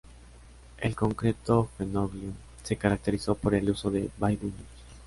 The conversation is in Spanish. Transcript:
En concreto Fenoglio se caracterizó por el uso de "bay windows".